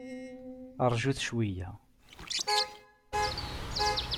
Rjut cweyya!